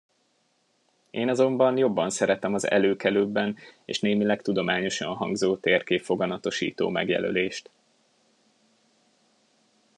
Én azonban jobban szeretem az előkelőbben és némileg tudományosan hangzó térképfoganatosító megjelölést.